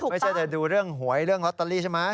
ไม่ใช่จะดูเรื่องหวยเรื่องลอตเตอรี่ใช่ไหม